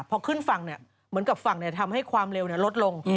พอขึ้นฝั่งเหมือนกับฝั่งทำให้ความเร็วลดลง